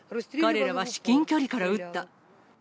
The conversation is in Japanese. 彼らは至近距離から撃った。